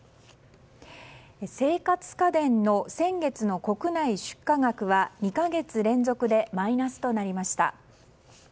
生活家電の先月の国内出荷額は２か月連続でマイナスとなりました。